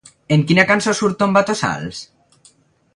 En quina cançó surt Tombatossals?